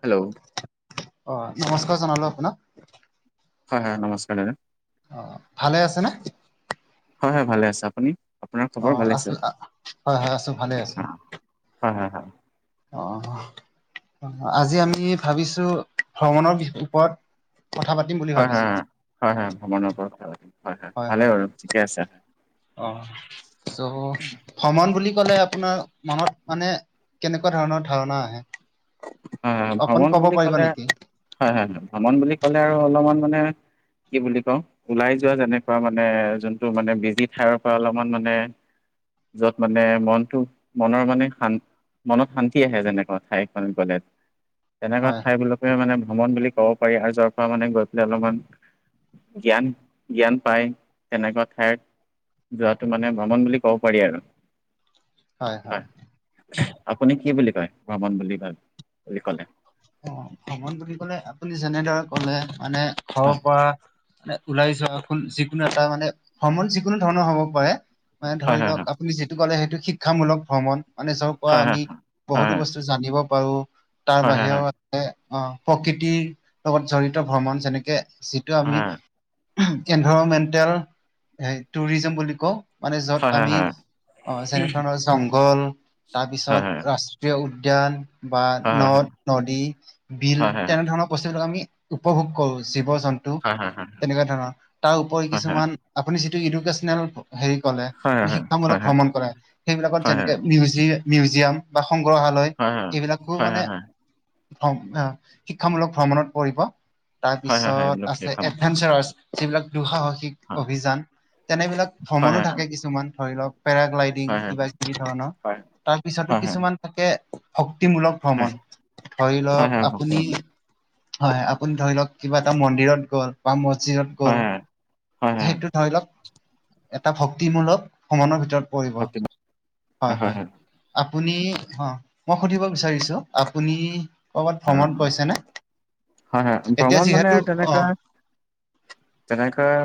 Hello অ নমস্কাৰ জনালো আপোনাক। হয় হয় নমস্কাৰ দাদা। অ ভালে আছে নে? হয় হয় ভালে আছো আপুনি? আপোনাৰ অ খবৰ ভালে আছে আছো হয়, হয় আছো ভালে আছো। অ হয় হয় হ অহ, আজি আমি ভাবিছো ভ্ৰমণৰ বি ওপৰত কথা পাতিম বুলি হয়- হয় ভাবিছিলো -হয় -হয়- হয় ভ্ৰমণৰ ওৰত কথা পাতিম। হয় ভালে -হয় বাৰু ঠিকে আছে অহ চ' ভ্ৰমণ বুলি কলে আপোনাৰ মনত মানে কেনেকুৱা ধৰণৰ ধাৰণা আহে? হয়- হয় অকন ভ্ৰমণ ক'ব বুলি পাৰিবা ক'লে নেকি হয়-হয় -হয় ভ্ৰমণ বুলি ক'লে আৰু অলপমান মানে কি বুলি কওঁ ওলাই যোৱা যেনেকুৱা মানে যোনটো মানে বিজি ঠায়ৰ পৰা অলপমান মানে য'ত মানে মনটো মনৰ মানে শান্ত মনত শান্তি আহে যেনেকুৱা ঠাইখন গ'লে তেনেকুৱা হয় ঠাইখনকে মানে ভ্ৰমণ বুলি ক'ব পাৰি আৰু যৰ পৰা মানে গৈ পেলাই অলপমান জ্ঞান, জ্ঞান পায়, তেনেকুৱা ঠাইত যোৱাটো মানে ভ্ৰমণ বুলি ক'ব পাৰি আৰু। হয়, আপুনি কি বুলি কয় ভ্ৰমণ বুলি ভাব বুলি কলে? অহ, ভ্ৰমণ বুলি কলে আপুনি যেনেদৰে কলে মানে ঘৰৰ পৰা মানে ওলাই যোৱা যিকোনো এটা মানে ভ্ৰমণ যিকোনো ধৰণৰ হ'ব পাৰে মানে হয় ধৰি হয় হয় লওক আপুনি যিটো ক'লে সেইটো শিক্ষামূলক ভ্ৰমণ। মানে যৰ পৰা হয় হয় আমি বহুতো হয় বস্তু জানিব পাৰো তাৰ হয় হয় বাহিৰেত আহ, প্ৰকৃতিৰ লগত জড়িত ভ্ৰমণ যেনেকে যিটো হয় আমি এনভাইৰমেণ্টেল টুৰিজিম বুলি কওঁ মানে যত হয় আমি হয় অ' যেনে ধৰণৰ জংঘল হয় তাৰপিছত ৰাষ্ট্ৰীয় উ উদ্যান বা হয় হয় হয় নদ- নদী, বিল হয় তেনে হয় ধৰণৰ বস্তু বিলাকক আমি উপভোগ কৰো জীৱ -জন্তু হয় হয় তেনেকুৱা ধৰণৰ তাৰ উপৰি হয় কিছুমান আপুনি ইটো ইডুকেচনেল হেৰি কলে হয় মানে হয় হয় শিক্ষামূলক হয় হয় ভ্ৰমণ কৰে সেইবিলাকত যেনেকে হয় মউজি মিউজিয়াম বা সংগ্ৰহালয় হয় হয় হয় হয় এইবিলাক কো হয় মানে হয় ভ্ৰম -শিক্ষামূলক ভ্ৰমণত পৰিব হয় হয়, তাৰপিছত এইবিলাক আছে দেখা মতে এডভেঞ্চাৰ্চ যিবিলাক দুঃসাহসিক হয় অভিযান তেনেবিলাক হয় ভ্ৰমণো হয় থাকে কিছুমান ধৰি ল' ক পেৰাগ্লাইডিং, হয় হয় কিবা- কিবি ধৰণৰ তাৰ পিছতো হয় কিছুমান থাকে ভক্তি-মূলক ভ্ৰমণ ধৰি হয় হয় ল'ক হয় ভক্তি আপুনি হয় হয়, আপুনি ধৰি ল'ক কিবা এটা মন্দিৰত গ'ল বা মছ জিৰত গ'ল হয় হয় হয় সেইটো ধৰি লওক এটা ভক্তিমূলক ভ্ৰমণৰ ভিতৰত পৰিব ভক্তি হয় - হয়। আপুনি অহ মই সুধিব বিচাৰিছোঁ আপুনি? কৰ'বাত ভ্ৰমণ গৈছেনে হয় হয় এতিয়া ভ্ৰমণ মানে যিহেতু অ তেনেকুৱা। যে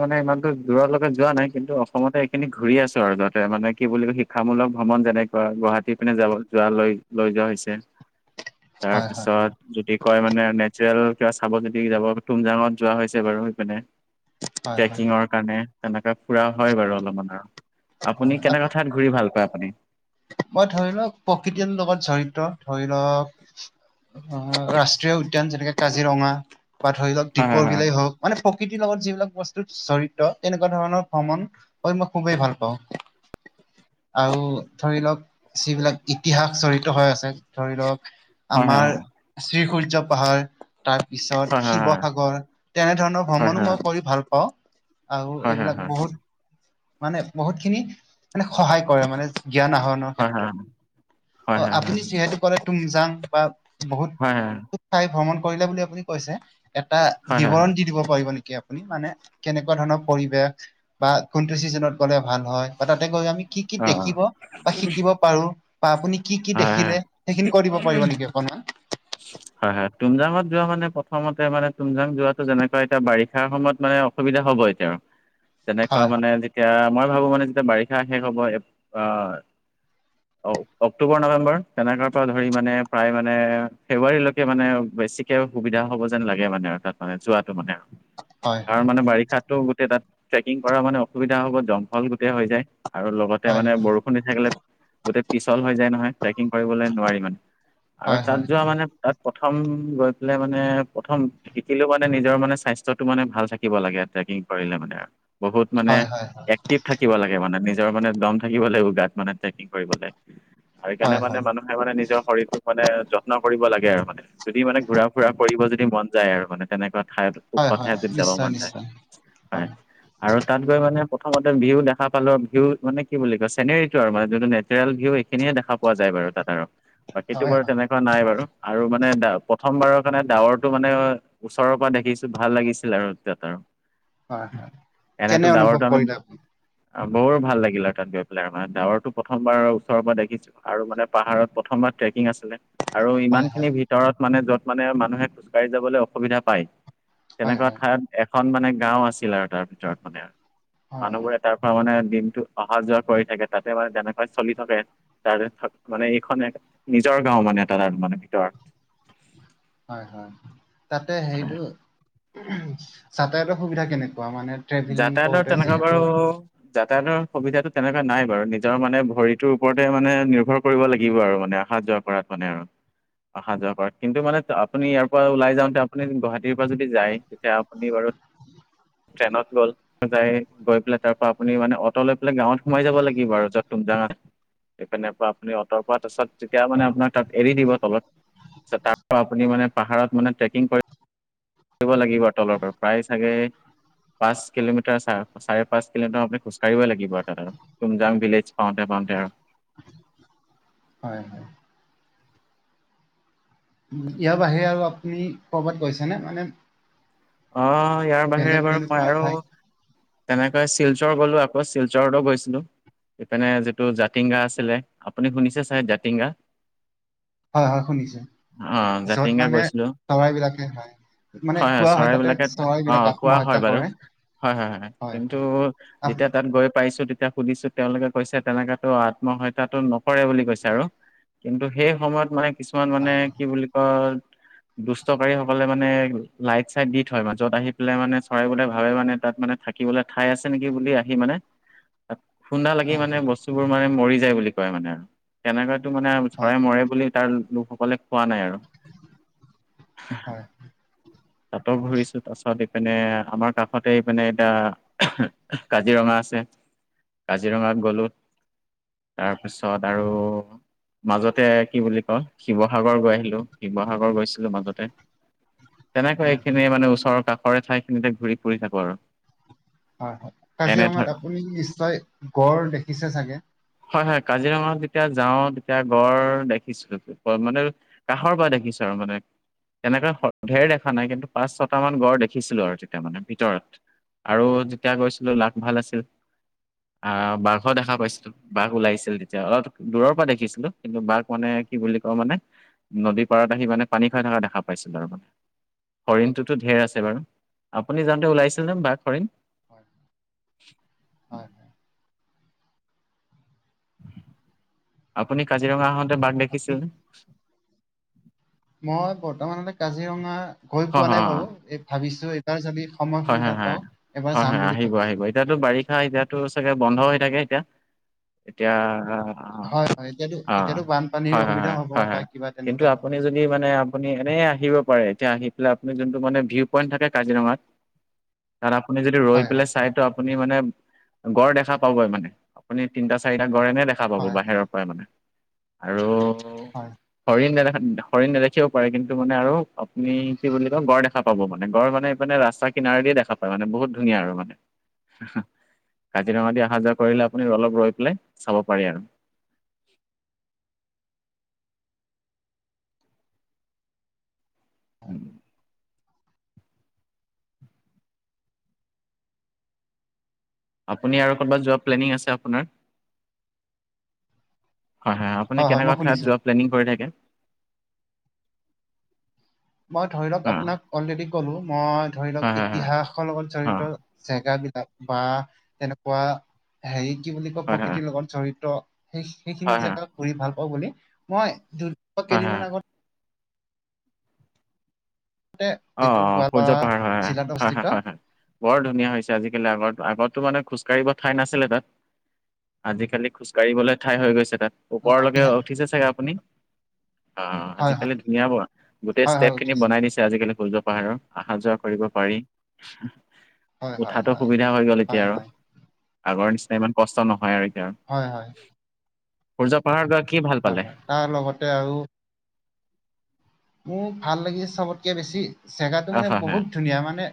মানে ইমানতো দূৰলৈকে যোৱা নাই কিন্তু অসমতে এইখিনি ঘূৰি আছো আৰু যাতে মানে কি বুলি ক শিক্ষামূলক ভ্ৰমণ যেনেকোৱা গুৱাহাটী পিনে যাব যোৱা লৈ -লৈ যোৱা হৈছে। [inaudible] হয় তাৰপিছত যদি কয় মানে নেচাৰেল কিবা চাব যদি যাব তুমজাঙত যোৱা হৈছে বাৰু সিপিনে। হয় হয় ট্ৰেকিঙৰ কাৰণে তেনেকা ফুৰা হয় বাৰু অলপমান আৰু। আপুনি হয় কেনেকুৱা আপ- ঠাইত ঘূৰি ভাল পায় আপুনি? মই ধৰি লওক প্ৰকৃতিৰ লগত জৰিত ধৰি ল'ক অহ, ৰাষ্ট্ৰীয় উদ্যান যেনেকে কাজিৰঙা বা ধৰি লওক দীপৰ বিলেই হওক মানে প্ৰকৃতিৰ লগত যিবিলাক বস্তুত জৰিত তেনেকুৱা ধৰণৰ ভ্ৰমণ কৰি মই খুবেই ভাল পাওঁ। আৰু ধৰি ল'ক যিবিলাক ইতিহাস জৰিত হৈ আছে ধৰি ল'ক আমাৰ শ্ৰীসূৰ্য পাহাৰ তাৰ পিছত শিৱসাগৰ তেনেধৰণৰ ভ্ৰমণো মই কৰি ভাল পাওঁ। আও এইবিলাক বহুত মানে বহুত খিনি মানে সহায় কৰে মানে জ্ঞান আহৰণৰ ক্ষেত্ৰত অহ আপুনি যিহেতু কৰে তুমজাং বা বহুত ঠাই ভ্ৰমণ কৰিলে বুলি আপুনি কৈছে এটা বিৱৰণ দি দিব পাৰিব নেকি। আপুনি মানে কেনেকুৱা ধৰণৰ পৰিবেশ বা কোনটো চিজনত গ'লে ভাল হয় বা তাতে গৈ আমি। কি কি দেখিব বা শিকিব পাৰো বা আপুনি কি কি দেখিলে সেইখিনি কৈ দিব পাৰিব নেকি অকনমান হয় হয় তুমজাঙত যোৱা মানে প্ৰথমতে মানে তুমঝাং যোৱাটো যেনেকুৱা এতিয়া বাৰিষাৰ সময়ত মানে অসুবিধা হ'ব এতিয়া আৰু তেনেকুৱা হয় মানে যেতিয়া মই ভাবো মানে যেতিয়া বাৰি। শিক্ষা শেষ হ'ব এ আহ অ অ। অক্টোবৰ নৱেম্বৰ তেনেকুৱ পৰা ধৰি মানে প্ৰায় মানে ফেব্ৰুৱাৰী লৈকে মানে বেছিকৈ সুবিধা হয়। হ'ব যেন লাগে মানে আৰু তাত মানে যোৱাটো মানে আৰু হয় কাৰ হয় মানে বাৰিষাতো গোটেই তাত ট্ৰেকিং কৰা মানে অসুবিধা হ'ব জংঘল গোটেই হৈ যায় আৰু লগতে হয় মানে হয় বৰষুণ দি থাকিলে গোটেই পিছল হৈ যায় নহয়। পেকিং কৰিবলৈ নোৱাৰি মানে আৰু হয় তাত হয় যোৱা মানে তাত। প্ৰথম গৈ পেলাই মানে প্ৰথম শিকিলেও মানে নিজৰ মানে স্বাস্থ্যত টো মানে ভাল থাকিব লাগে। পিলে মানে বহুত মানে হয় হয় এক্টিভ থাকিব লাগে মানে নিজৰ মানে দম থাকিব লাগিব গাত মানে ট্ৰেকিং কৰিবলৈ আৰু সেইকাৰণে মানে হয় মানুহে মানে নিজৰ শৰীৰটোক মানে যত্ন কৰিব লাগে আৰু মানে যদি মানে ঘূৰা ফুৰা কৰিব যদি মন যায় আৰু মানে তেনেকুৱা ঠাই ওখ হয় হয় যাব নিশ্চয় মন যায় নিশ্চয় হয় আৰু তাত গৈ মানে। প্ৰথমতে ভিউ দেখা পালো ভিউ মানে কি বুলি কয় চেনেৰীটো আৰু মানে যোনটো নেচাৰেল। এইখিনিয়ে দেখা পোৱা যায় বাৰু তাত আৰু বাকীতো হয় বাৰু হয় তেনেকুৱা নাই বাৰু আৰু মানে প্ৰথমবাৰৰ কাৰণে ডাৱৰটো মানে ওচৰৰ পৰা দেখিছো ভাল লাগিছিল আৰু তাত আৰু। হয় হয় এনেতো কেনে ডাৱৰটো অনুভৱ আমি কৰিলে আপুনি। বৰ ভাল লাগিলে আৰু তাত গৈ পেলাই মানে ডাৱৰটো প্ৰথমবাৰ ওচৰৰ পৰা দেখিছো আৰু মানে পাহাৰত প্ৰথমবাৰ ট্ৰেকিং আছিলে আৰু ইমান হয় খিনি হয় ভিতৰত। মানে য'ত মানে মানুহে খোজকাঢ়ি যাবলৈ অসুবিধা পায় হয় হয় তেনেকুৱা ঠাইত। এখন মানে গাও আছিল আৰু তাৰ ভিতৰত মানে হয় হয় মানুহবোৰে তাৰ পৰা মানে। দিনটো অহা যোৱা কৰি থাকে তাতে বা তেনেকৈ চলি। থাকে তাৰ মানে এইখন নিজৰ গাও মানে এটাত মানে ভিতৰত। [unintelligible] হয় হয় তাতে হেৰিটো যাতায়াতৰ সুবিধা কেনেকে? কোৱা মানে ট্ৰেভেলিং কৰোঁতে যিহেতু। যাতায়তৰ সুবিধাতটো তেনেকুৱা নাই বাৰু নিজৰ মানে ভৰিটোৰ ওপৰতে মানে নিৰ্ভৰ কৰিব লাগিব আৰু মানে। অহা যোৱা কৰাত মানে আৰু অহা যোৱা কৰা কিন্তু মানে আপুনি ইয়াৰ পৰা ওলাই যাওঁতে আপুনি গুৱাহাটীৰ পৰা যদি যায় তেতিয়া আপুনি বাৰু ট্ৰেনত গ'ল যাই গৈ পেলাই তাৰ পৰা আপুনি মানে অট লৈ পেলাই গাঁৱত সোমাই যাব লাগিব আৰু যত তুমজাঙা। সেইফাল পৰা আপুনি অটৰ পৰা তাৰপছত তেতিয়া মানে আপোনাক তাত এৰি দিব তলত। তাৰ আপুনি মানে পাহাৰত মানে ট্ৰেকিং কৰি থাকিব লাগিব আৰু তলৰ পৰা প্ৰায় চাগে পাঁচ কিলোমিটাৰ চ চাৰে পাঁচ কিলোমিটাৰ আপুনি খোজকাঢ়িব লাগিব তাত আৰু তুমজাং ভিলেজ পাওঁতে। তে আৰু হয় হয়। ইয়াৰ বাহিৰে আৰু আপুনি কৰবাত গৈছেনে? মানে। অ ইয়াৰ বেলেগ বাহিৰে বাৰু মই তেনেকুৱা আৰু ঠাই তেনেকৈ শিলচৰ গ'লো আকৌ শিলচৰ। গৈছিলো। এইপিনে যিটো জাতিংগা আছিলে আপুনি শুনিছে চাই জাতিংগা। হয় হয় শুনিছো অ যত জাতিংগা মানে গৈছিলো চৰাইবলাকে হয় মানে ক হয় তাতে চৰাইবিলাকে অ চৰাইবিলাক খোৱা হয় আত্মহত্যা বাৰু কৰে। হয় হয় হয় কিন্তু যেতিয়া আপ- তাত গৈ পাইছো তেতিয়া শুনিছো তেওঁলোকে কৈছে তেনেকাতো আত্মহত্যা টো নকৰে বুলি কৈছে আৰু কিন্তু সেই সময়ত মানে। কিছুমান মানে হয় হয় কি বুলি কয় দুষ্টকাৰীসকলে মানে লাইট চাই দি থয় মাজত আহি পেলাই মানে চৰাই বোলে ভাবে মানে তাত মানে থাকিবলৈ ঠাই আছে নেকি বুলি আহি মানে। অ খুন্দা লাগি মানে হয় বস্তুবোৰ মানে মৰি যায় বুলি কয় মানে আৰু তেনেকুৱা মানে হয় চৰাই মৰে বুলি। তাৰ লোকসকলে কোৱা নাই আৰু হয় তাতো ঘূৰিছো তাৰপিছত এইপিনে আমাৰ কাষতে ইপিনে এতিয়া কাজিৰঙা আছে। কাজিৰঙাত গলো তাৰপিছত আৰু মাজতে কি বুলি কয় শিৱসাগৰ গৈ আহিলো, শিৱসাগৰ গৈছিলো মাজতে। তেনেকৈ হয় ওচৰ কাষৰে ঠাই খিনিতে ঘূৰি ফুৰি থাকো আৰু। হয় হয়, এনে ধৰ কাজিৰঙাত আপুনি নিশ্চয় গড় দেখিছে চাগে? হয় হয় কাজিৰঙা যেতিয়া যাও তেতিয়া গড় দেখিছো মানে কাষৰ পৰা দেখিছো মানে তেনেকৈ ধেৰ দেখা নাই কিন্তু পাঁচ ছটা মান গড় দেখিছিলো আৰু তেতিয়া মানে ভিতৰত আৰু যেতিয়া গৈছিলো লাক ভাল আছিল আহ বাঘৰ দেখা পাইছিলোঁ। বাঘ ওলাইছিল তেতিয়া অলপ দূৰৰ পৰা দেখিছিলো কিন্তু বাঘ মানে কি বুলি কওঁ মানে নদী পাৰা ত আহি মানে পানী খাই থকা দেখা পাইছিলো আৰু মানে হৰিণটোতো ধেৰ আছে বাৰু, আপুনি যাওঁতে ওলাইছিল নে বাঘ হৰিণ? হয় হয়। আপুনি কাজিৰঙা আহোঁতে বাঘ আপুনি দেখিছিল। মই বৰ্তমান কাজিৰঙা গৈ হয় পোৱা নাই বাৰু এই ভাবিছো এটাৰ যদি। সময় হয় হয় সুবিধা হয় পাওঁ এবাৰ হয় যাম হয় বুলি আহিব ভাবিছো আহিব এতিয়াতো হয় হয় বাৰিষা এতিয়াতো। চাগে বন্ধ হৈ থাকে এতিয়া, এতিয়া। অ হয় হয়, এতিয়াতো এতিয়াতো বানপানীৰ হয় হয় অসুবিধা হয় হ'ব হয় বা হয় কিবা কিন্তু তেনেকুৱা আপুনি ধৰণৰ যদি মানে আপুনি এনে আহিব পাৰে এতিয়া আহি পেলাই আপুনি যোনটো মানে ভিউ পইণ্ট থাকে কাজিৰঙাত তাত আপুনি যদি ৰৈ হয় পেলাই হয় চাইতো আপুনি মানে গড় দেখা পাবই মানে আপুনি তিনিটা চাৰিটা। গড় এনে দেখা পাব হয় হয় বাহিৰৰ পৰা মানে আৰু হয় হৰিন নেদা। হৰিণ নেদেখিবও পাৰে কিন্তু মানে আৰু আপুনি কি বুলি কয় গড় দেখা পাব মানে গড় মানে এইফালে মানে ৰাস্তা। কিনাৰে দিয়ে দেখা পায় মানে বহুত ধুনীয়া আৰু মানে। কাজিৰঙা দি অহা যোৱা কৰিলে আপুনি অলপ ৰৈ পেলাই চাব পাৰি আৰু [inaudible] উম। আপুনি আৰু ক'বাত যোৱা প্লেনিং আছে আপোনাৰ। হয়- হয় আপুনি কেনেকা যোৱা প্লেনিং কৰি থাকে? মই ধৰি লওক হয়, আপোনাক অলৰেডি কলো মই ধৰি হয়, লওক হয়, হয়, ইতিহাসৰ লগত হয়, জড়িত জেগা বিলাক বা তেনেকুৱা হেৰি কি বুলি কয় হয়, হয়, হয়, প্ৰকৃতিৰ লগত জৰিত সেই সেইখিনি হয়, জেগা ঘূৰি ভাল পাওঁ বুলি মই দু হয়, হয়, কেইদিনমান আগত অ যিটো অ সূৰ্য গোৱালপাৰা পাহাৰ হয় জিলাত হয় অৱস্থিত হয় হয় হয় বৰ ধুনীয়া হৈছে আজিকালি আগত। আগতো মানে খোজ ককাঢ়িব ঠাই নাছিলে তাত আজিকালি খোজকাাঢ়িবলৈ ঠাই হৈ গৈছে তাত। অ ওপৰলৈকে উঠিছে চাগে আপুনি। অ হয় হয় আজিকালি ধুনীয়া ব গোটেই হয় ষ্টেপ হয় খিনি উঠিছো বনাই দিছে আজিকালি। সূজ পাহাৰৰ অহা যোৱা কৰিব পাৰি হয় হয় উঠাতো হয় সুবিধা হৈ গল এতিয়া হয় আৰু হয় আগৰ নিচিনা ইমান কষ্ট নহয় আৰু হয় হয়। উৰ্জা পাহাৰ। কি ভাল হয় পালে হয় তাৰ লগতে আৰু মোৰ ভাল লাগি চবতকে বেছি জেগাটো অ মানে হয় হয় বহুত ধুনীয়া মানে।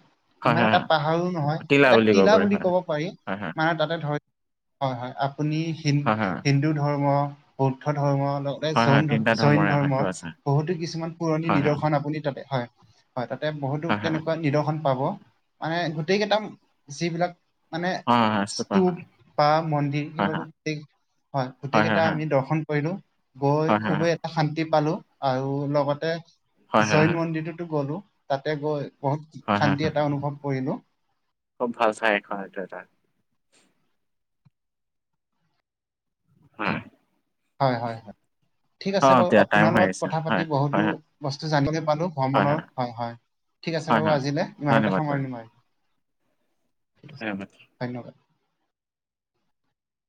হয় ইমান হয় এটা হয় পাহাৰো নহয় এটা তিলা বুলি কব পাৰি হয় হয় মানে তাতে ধৰি। হয় হয় আপুনি হিন হয় হয় হিন্দু ধৰ্ম বৌদ্ধ ধৰ্ম। লগতে হয় হয় জৈন তিনিটা জৈন ধৰ্মৰে হয় ধৰ্মৰ কিবা আছে বহুতো কিছুমান পুৰণি হয় হয় নিদৰ্শন আপুনি তাতে হয়। হয়, তাতে বহুতো হয় হয় হয় তেনেকুৱা নিদৰ্শন পাব মানে গোটেই কেইটা যিবিলাক মানে হয় হয় স্তূপা স্তুপ হয় বা মন্দিৰ হয় এইবিলাকো হয়, হয় গোটেইকেইটা হয় আমি দৰ্শন কৰিলো গৈ হয় হয় খুবেই এটা শান্তি পালো। আৰু লগতে হয় হয় হয় জৈন মন্দিৰতোটো গ'লো তাতে গৈ বহুত হয় হয় শান্তি হয় এটা হয় অনুভৱ কৰিলো। খুব ভাল চাই এখন এটো এটা। হম হয় -হয় - হয়। ঠিক আছে বাৰু এতিয়া টাইম আপোনাৰ হৈ লগত আহিছে কথা পাতি হয় হয় বহুতো হয় বস্তু জানিবলৈ পালো ভ্ৰমণৰ হয় - হয়। ঠিক আছে হয় বাৰু হয় আজিলে ইমানতে ধন্যবাদ বাৰু সামৰণি মাৰিলোঁ। [unintelligible]